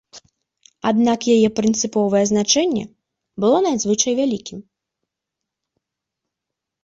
Аднак яе прынцыповае значэнне было надзвычай вялікім.